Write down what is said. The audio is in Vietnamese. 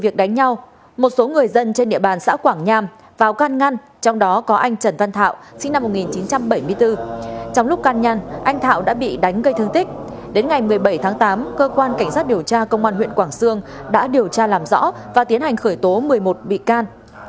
bảy tháng tám cơ quan cảnh sát điều tra công an huyện quảng xương đã điều tra làm rõ và tiến hành khởi tố một mươi một bị can